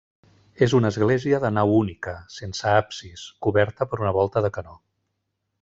És una església de nau única, sense absis, coberta per una volta de canó.